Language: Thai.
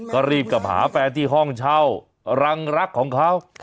ก็รีบกลับหาแฟนที่ห้องเช่ารังรักของเขา